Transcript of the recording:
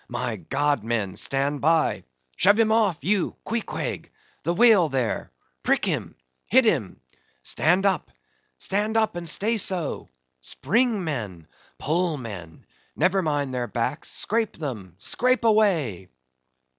My God, men, stand by! Shove him off, you Queequeg—the whale there!—prick him!—hit him! Stand up—stand up, and stay so! Spring, men—pull, men; never mind their backs—scrape them!—scrape away!"